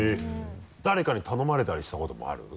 誰かに頼まれたりしたこともある？